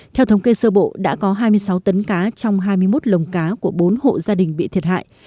theo thống kê sơ bộ đã có hai mươi sáu tấn cá trong hai mươi một lồng cá của bốn hộ gia đình bị thiệt hại